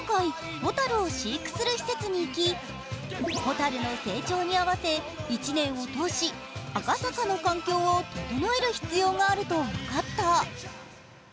前回、蛍を飼育する施設に行き、蛍の成長に合わせ１年を通し、赤坂の環境を整える必要があると分かった。